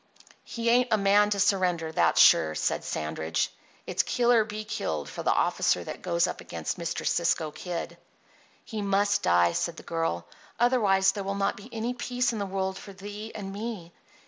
"He ain't a man to surrender, that's sure," said Sandridge. "It's kill or be killed for the officer that goes up against Mr. Cisco Kid." "He must die," said the girl. "Otherwise there will not be any peace in the world for thee and me.